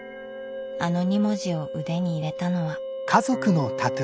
あの２文字を腕に入れたのは。